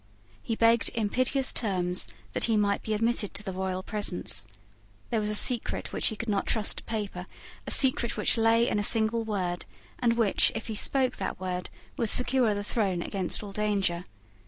He begged in piteous terms that he might be admitted to the royal presence. There was a secret which he could not trust to paper, a secret which lay in a single word, and which, if he spoke that word, would secure the throne against all danger.